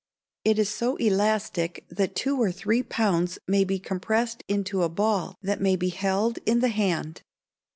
It is so elastic that two or three pounds may be compressed into a ball that may be held in the hand.